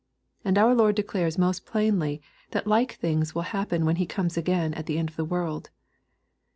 And our Lord declares most plainly that like things will happen when He comes again at the end of the world.